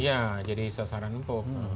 ya jadi sasaran empuk